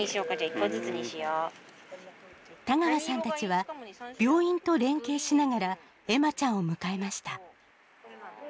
田川さんたちは病院と連携しながら、恵麻ちゃんを迎えました。